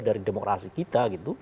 dari demokrasi kita